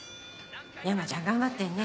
山ちゃん頑張ってるね。